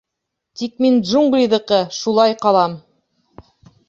Тик мин — джунглиҙыҡы, шулай ҡалам!